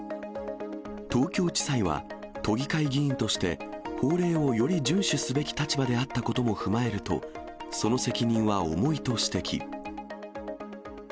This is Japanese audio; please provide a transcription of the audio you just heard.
東京地裁は、都議会議員として、法令をより順守すべき立場であったことも踏まえると、その責任は重いと指摘。